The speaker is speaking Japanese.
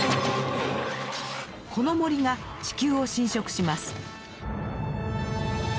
この森が地球を侵食します。